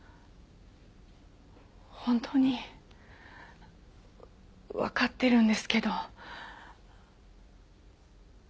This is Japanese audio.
本当にわかってるんですけど。